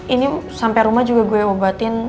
ini sampe rumah juga gue obatin